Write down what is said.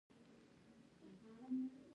پسرلی د افغانستان د طبعي سیسټم توازن ساتي.